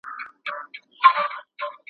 روغ رمټ دئی لېونى نـه دئ